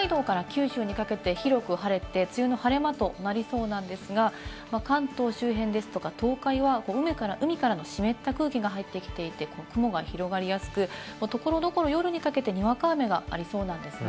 天気の移り変わりを見てみますと、きょうは北海道から九州にかけて広く晴れて、梅雨の晴れ間となりそうなんですが、関東周辺ですとか東海は海からの湿った空気が入ってきていて、雲が広がりやすく、所々夜にかけてにわか雨がありそうなんですね。